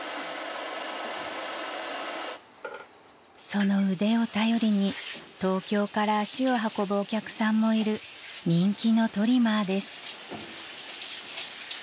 ［その腕を頼りに東京から足を運ぶお客さんもいる人気のトリマーです］